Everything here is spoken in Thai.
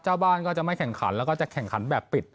เจ้าบ้านก็จะไม่แข่งขันแล้วก็จะแข่งขันแบบปิด